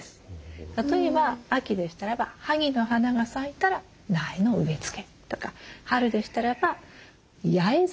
例えば秋でしたらばはぎの花が咲いたら苗の植え付けとか春でしたらば八重桜。